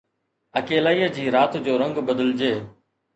اڪيلائيءَ جي رات جو رنگ بدلجي